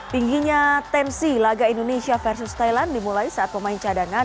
tingginya tensi laga indonesia versus thailand dimulai saat pemain cadangan